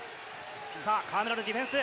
さあ、河村のディフェンス。